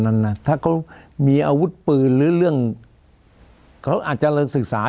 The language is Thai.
นั้นนะถ้าเขามีอาวุธปืนหรือเรื่องเขาอาจจะศึกษา